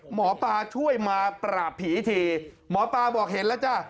หมอปลาช่วยมาปราบผีทีหมอปลาบอกเห็นแล้วจ้ะ